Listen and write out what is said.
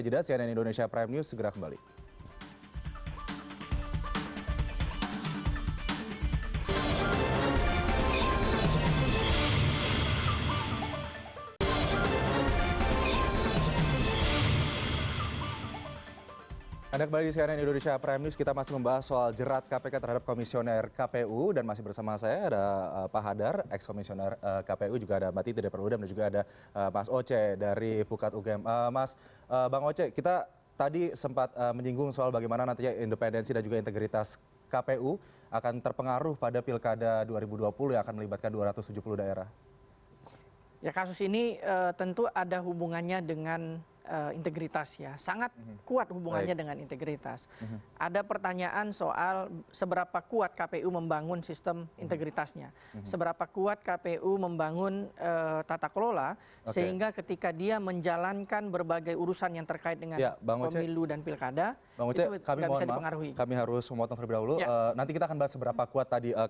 tapi nanti usaha jeda cnn indonesia prime news segera kembali